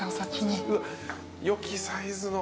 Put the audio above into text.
よきサイズの。